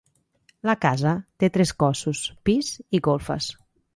La casa té tres cossos, pis i golfes.